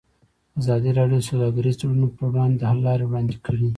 ازادي راډیو د سوداګریز تړونونه پر وړاندې د حل لارې وړاندې کړي.